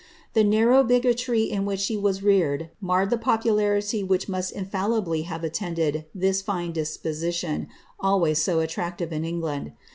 The narrow bigoiryii ■'^ which she was reared marred the popularity which must infalliSy ktff |n attended this fine disposition, always so attractive in England.